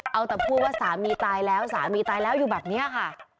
เอาแต่พูดว่าสามีตายแล้วสามีตายแล้วอยู่แบบนี้ค่ะ